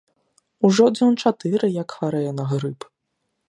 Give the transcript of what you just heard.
Ужо дзён чатыры, як хварэю на грып.